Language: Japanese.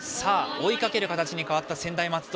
追いかける形に変わった専大松戸。